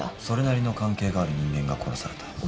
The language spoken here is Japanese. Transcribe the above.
それなりの関係がある人間が殺された。